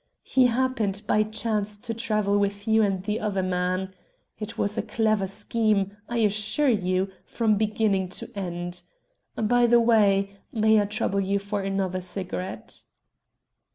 He happened by chance to travel with you and the other man. It was a clever scheme, I assure you, from beginning to end. By the way, may I trouble you for another cigarette?"